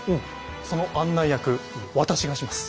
その案内役私がします。